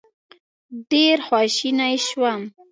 ډېر خواشینی شوم.